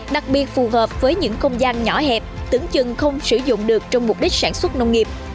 đặc biệt phù hợp với những không gian nhỏ hẹp tưởng chừng không sử dụng được trong mục đích sản xuất nông nghiệp